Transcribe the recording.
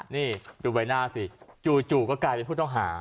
นี่ดูใบหน้าสิจู่ก็กลายเป็นผู้ต้องหา